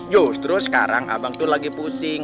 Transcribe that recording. justru sekarang abang itu lagi pusing